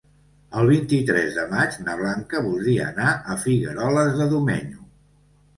El vint-i-tres de maig na Blanca voldria anar a Figueroles de Domenyo.